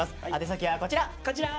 宛先はこちら！